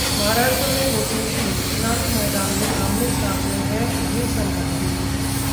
महाराष्ट्र में वोटिंग शुरू, चुनावी मैदान में आमने-सामने हैं ये संबंधी